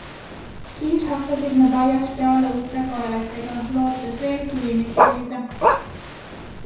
Siis hakkasid nad aias peale uute kaevetega, lootes veel kivimit leida.